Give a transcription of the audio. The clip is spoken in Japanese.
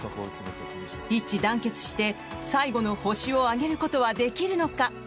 一致団結して最後のホシを挙げることはできるのか。